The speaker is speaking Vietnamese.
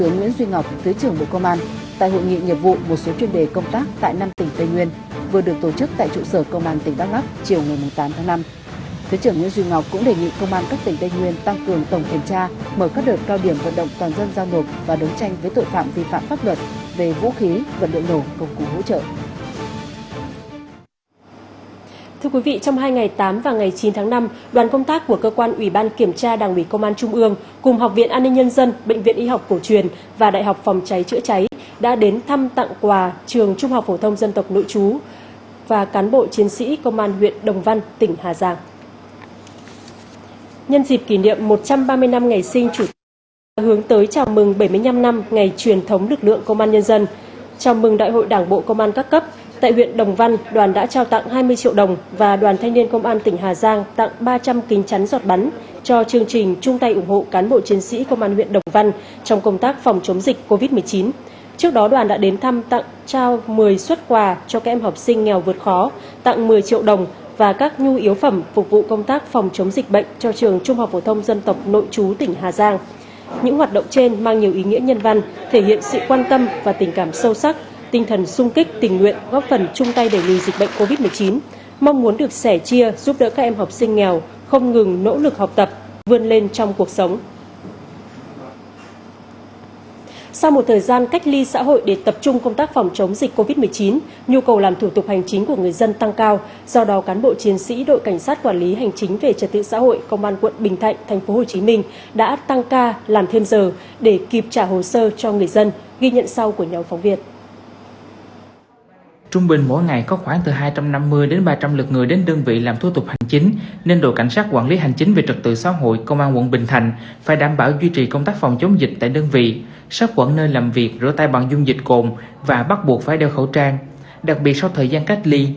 nhiều căn cứ thì nó khác ngày cấp thì khi anh đi giao dịch và anh làm cái giấy tờ là nó sẽ không có sự thống nhất mà không thống nhất thì sau này nó sẽ lòi ra thôi do đó là không nên mất thì chúng ta nó mất và lên cấp cái khác